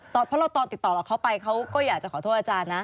เพราะเราตอนติดต่อกับเขาไปเขาก็อยากจะขอโทษอาจารย์นะ